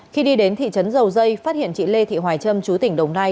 khi đi đến thị trấn dầu dây phát hiện chị lê thị hoài trâm chú tỉnh đồng nai